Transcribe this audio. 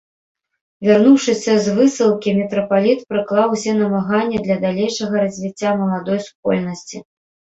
Вярнуўшыся з высылкі, мітрапаліт прыклаў усе намаганні для далейшага развіцця маладой супольнасці.